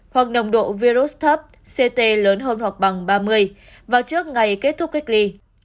hoặc nồng độ virus thấp ct lớn hơn hoặc bằng ba mươi vào trước ngày kết thúc cách ly